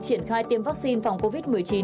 triển khai tiêm vaccine phòng covid một mươi chín